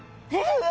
うわ！